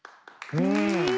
うん！